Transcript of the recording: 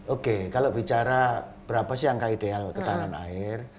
oke kalau bicara berapa sih angka ideal ketahanan air